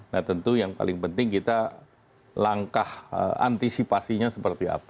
nah tentu yang paling penting kita langkah antara